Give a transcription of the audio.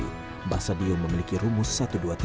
mbah sadio memiliki rumus satu dua tiga